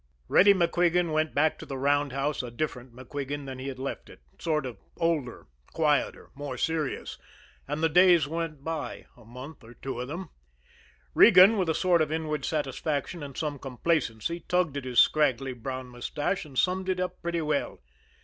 Reddy MacQuigan went back to the roundhouse a different MacQuigan than he had left it sort of older, quieter, more serious and the days went by, a month or two of them. Regan, with a sort of inward satisfaction and some complacency, tugged at his scraggly brown mustache, and summed it up pretty well.